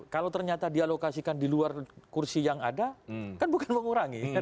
kalau ternyata dialokasikan di luar kursi yang ada kan bukan mengurangi